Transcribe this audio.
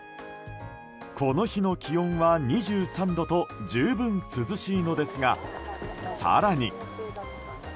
この日の気温は２３度と十分涼しいのですが、更に。